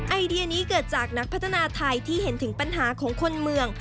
ไอเดียนี้เกิดจากนักพัฒนาไทยที่เห็นถึงปัญหาของคนเมือง